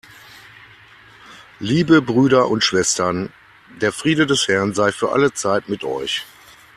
Liebe Brüder und Schwestern, der Friede des Herrn sei für alle Zeit mit euch.